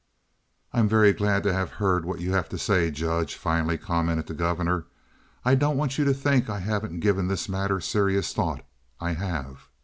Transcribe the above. "I'm very glad to have heard what you have to say, Judge," finally commented the governor. I don't want you to think I haven't given this matter serious thought—I have.